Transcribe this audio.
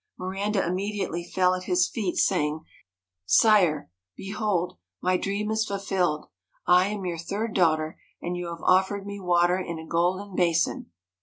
Miranda immediately fell at his feet, saying :' Sire ! behold, my dream is fulfilled. I am your third daughter, and you have offered me water in a golden basin.'